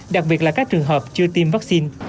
đặc biệt là các trường hợp chưa tiêm vaccine